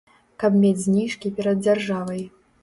Каб мець зніжкі перад дзяржавай.